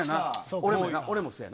俺もせやな。